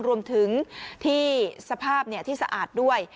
รวมถึงที่สภาพที่สะอาดด้วย